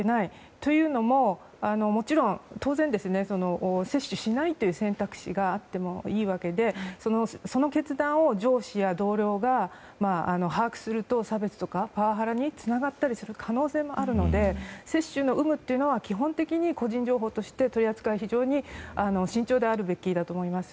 というのも、もちろん当然接種しないという選択肢があってもいいわけでその決断を上司や同僚が把握すると、差別とかパワハラにつながったりする可能性もあるので接種の有無は基本的に個人情報として取り扱いは非常に慎重であるべきだと思います。